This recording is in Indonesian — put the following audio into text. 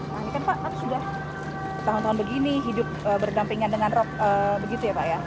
nah ini kan pak kan sudah tahun tahun begini hidup berdampingan dengan rop begitu ya pak ya